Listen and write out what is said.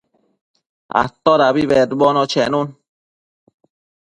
Todabi bedbono chenun